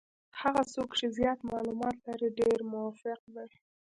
هغه څوک چې زیات معلومات لري ډېر موفق دي.